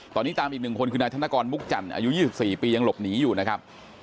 ตอนนี้ตามอีก๑คนคือนายธนกรมุกจันทร์อายุ๒๔ปียังหลบหนีอยู่นะครับ